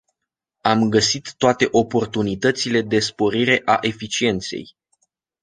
Am găsit toate oportunitățile de sporire a eficienței.